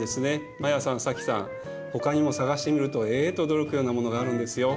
マヤさん早紀さんほかにも探してみるとえって驚くようなものがあるんですよ。